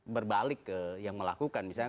berbalik ke yang melakukan misalnya